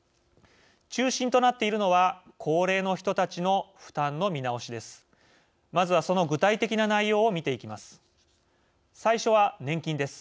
中心となっているのは高齢の人たちの負担の見直しです。